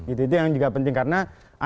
itu itu yang juga penting karena